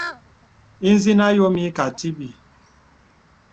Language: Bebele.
Ìzìnə àyɔ̄ mə ìkà tìbì.